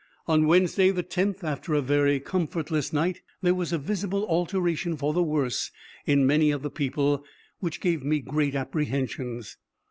On Wednesday the 10th, after a very comfortless night, there was a visible alteration for the worse in many of the people, which gave me great apprehensions.